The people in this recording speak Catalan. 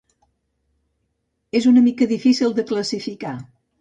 És una mica difícil de classificar.